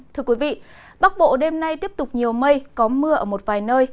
thưa quý vị bắc bộ đêm nay tiếp tục nhiều mây có mưa ở một vài nơi